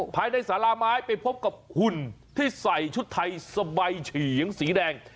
ภายในสาลาม้ายไปพบกับขุนที่ใส่ชุดไทยสมัยฉี่อย่างศรีแดง